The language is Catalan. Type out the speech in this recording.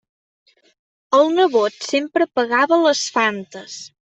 El nebot sempre pagava les Fantes.